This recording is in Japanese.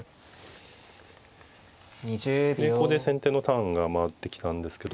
ここで先手のターンが回ってきたんですけど。